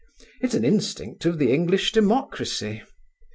It's an instinct of the English democracy.